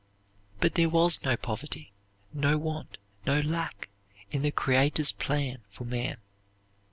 But there was no poverty, no want, no lack, in the Creator's plan for man.